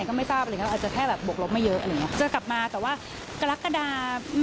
ก็กลับมาแต่ว่ากระดาษ